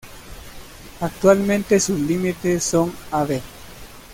Actualmente sus límites son: Av.